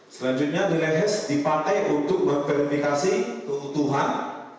selanjutnya nilai hes dipakai untuk memverifikasi keutuhan